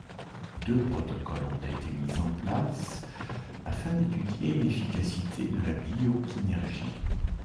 Deux protocoles ont été mis en place afin d'étudier l'efficacité de la biokinergie.